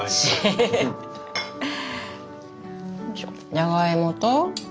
じゃがいもと？